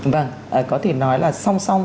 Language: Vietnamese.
vâng có thể nói là song song